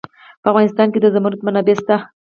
په افغانستان کې د زمرد منابع شته.